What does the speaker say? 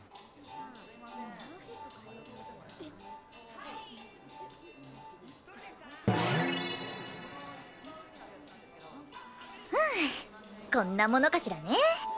ふうこんなものかしらね。